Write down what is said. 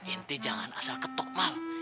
inti jangan asal ketok mal